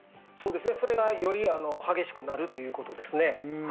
それがより激しくなるということですね。